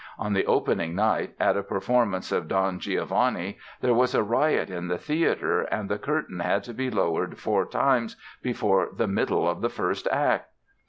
On the opening night, at a performance of "Don Giovanni", there was a riot in the theatre and the curtain had to be lowered four times before the middle of the first act.